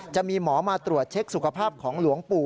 จะมีหมอมาตรวจเช็คสุขภาพของหลวงปู่